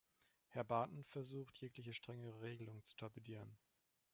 Herr Barton versucht, jegliche strengere Regelung zu torpedieren.